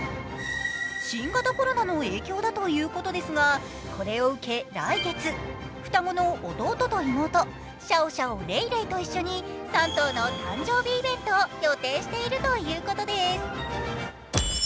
新型コロナの影響だということですがこれを受け、来月双子の弟と妹、シャオシャオ、レイレイと一緒に３頭の誕生日イベントを予定しているということです。